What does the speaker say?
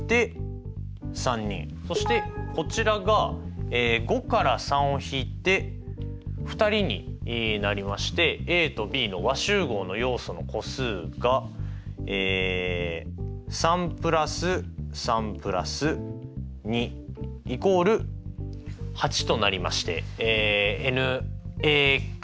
そしてこちらが５から３を引いて２人になりましてＡとＢの和集合の要素の個数がとなりましてｎ＝８です。